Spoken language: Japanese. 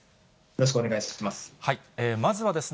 よろしくお願いします。